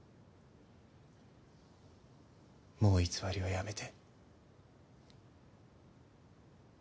もう偽りはやめて。